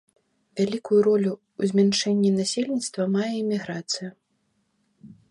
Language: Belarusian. Вялікую ролю ў змяншэнні насельніцтва мае эміграцыя.